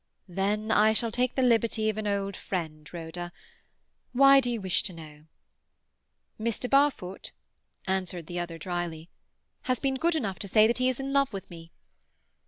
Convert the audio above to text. "Then I shall take the liberty of an old friend, Rhoda. Why do you wish to know?" "Mr. Barfoot," answered the other dryly, "has been good enough to say that he is in love with me."